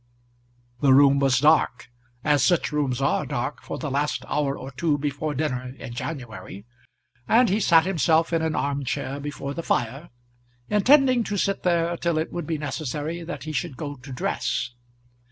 The room was dark, as such rooms are dark for the last hour or two before dinner in January, and he sat himself in an arm chair before the fire, intending to sit there till it would be necessary that he should go to dress.